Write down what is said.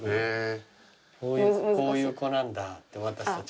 こういう子なんだって私たちが。